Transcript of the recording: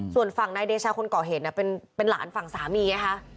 ส่วนฝั่งนายเดชาคนก่อเหตุเป็นหลานฝั่งสามีไงคะ